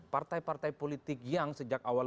partai partai politik yang sejak awal